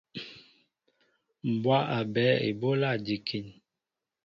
Mbwá a ɓɛέ eɓólá njikin.